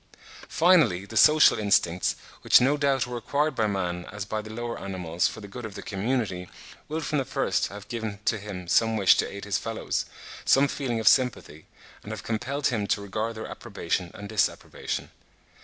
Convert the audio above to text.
Finally the social instincts, which no doubt were acquired by man as by the lower animals for the good of the community, will from the first have given to him some wish to aid his fellows, some feeling of sympathy, and have compelled him to regard their approbation and disapprobation.